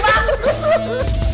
tidak usah dianggap